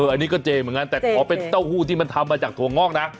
อันนี้ก็เจเหมือนกันแต่ขอเป็นเต้าหู้ที่มันทำมาจากถั่วงอกนะ